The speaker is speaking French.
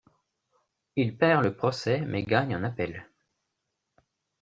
Il perd le procès mais gagne en appel.